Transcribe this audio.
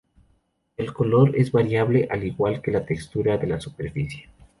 El color es variable al igual que la textura de la superficie.